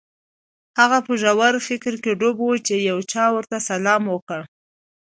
هغه په ژور فکر کې ډوب و چې یو چا ورته سلام وکړ